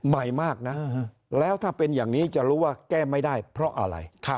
ใหม่มากนะแล้วถ้าเป็นอย่างนี้จะรู้ว่าแก้ไม่ได้เพราะอะไร